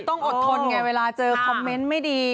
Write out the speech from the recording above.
ต้องอดทนไงเวลาเจอคอมเมนต์ไม่ดี